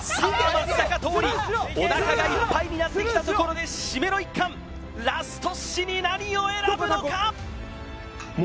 松坂桃李おなかがいっぱいになってきたところでしめの１貫ラスト寿司に何を選ぶのか！？